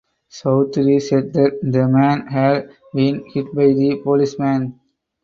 Choudhury said that the man had been hit by the policeman.